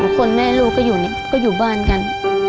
คนแม่ลูกก็อยู่นี่ก็อยู่บ้านกัน